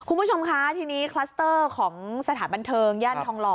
คุณผู้ชมคะทีนี้คลัสเตอร์ของสถานบันเทิงย่านทองหล่อ